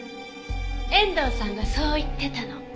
遠藤さんがそう言ってたの。